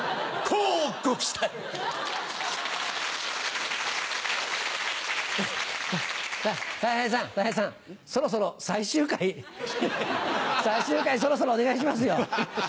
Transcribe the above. たい平さん、たい平さん、そろそろ最終回、最終回、そろそろお願いしますよ。